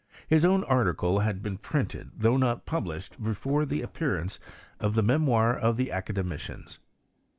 His own article had been printed, thou^ not published, before the appearance of the Memoir of the Academicians.